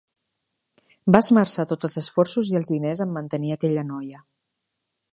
Va esmerçar tots els esforços i els diners en mantenir aquella noia.